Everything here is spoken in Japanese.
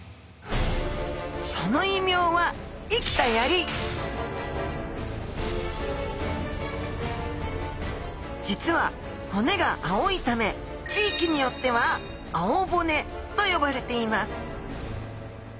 その異名は実は骨が青いため地域によってはあおぼねと呼ばれています